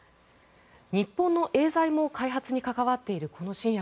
日本のエーザイも開発に関わっているこの新薬